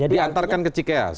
diantarkan ke cikeas